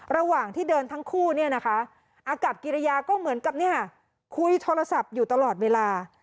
ระหว่างที่เดินทั้งคู่อากับกิริยาก็เหมือนกับคุยโทรศัพท์อยู่ตลอดเวลา